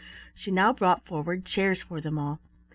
She now brought forward chairs for them all.